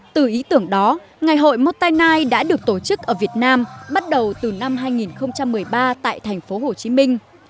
từ ý tưởng đó ngày hội mottana đã được tổ chức ở việt nam bắt đầu từ năm hai nghìn một mươi ba tại thành phố hồ chí minh